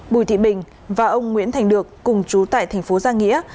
bùi thị bình và ông nguyễn thành được cùng chú tại thành phố giang nghĩa